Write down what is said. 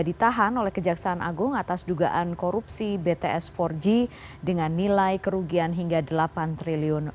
ditahan oleh kejaksaan agung atas dugaan korupsi bts empat g dengan nilai kerugian hingga delapan triliun